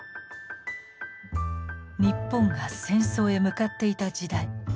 日本が戦争へ向かっていた時代。